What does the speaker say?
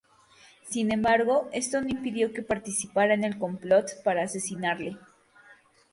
Sin embargo, esto no impidió que participara en el complot para asesinarle.